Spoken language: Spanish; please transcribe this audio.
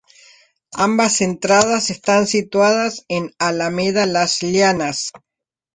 Ambas entradas están situadas en Alameda Las Llanas.